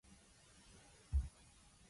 Vivinus himself later joined Minerva.